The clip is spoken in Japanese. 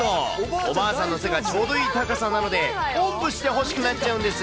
おばあさんの背がちょうどいい高さなので、おんぶしてほしくなっちゃうんです。